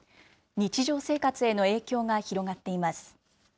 日常生活への影響が広がっています。